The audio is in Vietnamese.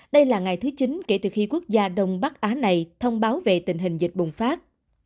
đây là ngày thứ chín kể từ khi quốc gia đông bắc á này thông báo về tình hình dịch bùng phát